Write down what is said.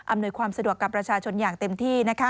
ความสะดวกกับประชาชนอย่างเต็มที่